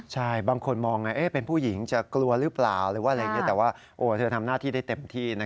ใช่บางคนมองเป็นผู้หญิงจะกลัวหรือเปล่าแต่ว่าเธอทำหน้าที่ได้เต็มที่นะคะ